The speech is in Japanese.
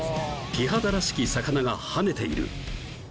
キハダらしき魚が跳ねている